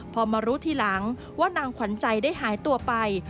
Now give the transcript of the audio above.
พอมารู้ทีหลังว่านางขวัญใจได้หายตัวไป